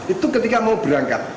itu ketika mau berangkat